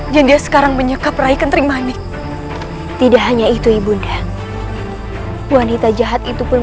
jadinya sekarang menyekap raih kentri manik tidak hanya itu ibu ndang wanita jahat itu pun